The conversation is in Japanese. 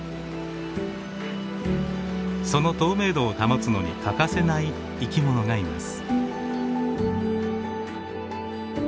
その透明度を保つのに欠かせない生き物がいます。